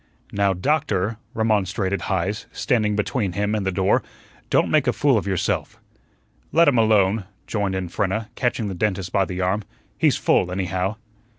"Now, Doctor," remonstrated Heise, standing between him and the door, "don't go make a fool of yourself." "Let 'um alone," joined in Frenna, catching the dentist by the arm; "he's full, anyhow."